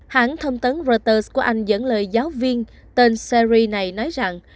hãng thông tấn reuters của anh dẫn lời giáo viên tên series này nói rằng